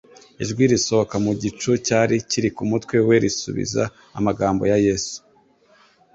Ijwi risohoka mu gicu cyari kiri ku mutwe we risubiza amagambo ya Yesu